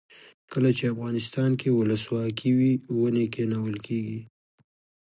کله چې افغانستان کې ولسواکي وي ونې کینول کیږي.